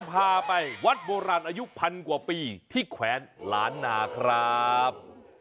พาไปวัดโบราณอายุพันกว่าปีที่แขวนล้านนาครับ